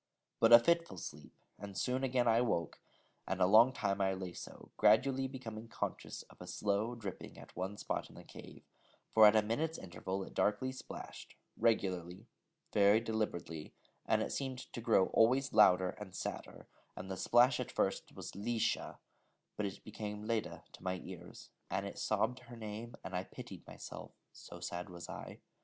But a fitful sleep, and soon again I woke; and a long time I lay so, gradually becoming conscious of a slow dripping at one spot in the cave: for at a minute's interval it darkly splashed, regularly, very deliberately; and it seemed to grow always louder and sadder, and the splash at first was 'Leesha,' but it became 'Leda' to my ears, and it sobbed her name, and I pitied myself, so sad was I.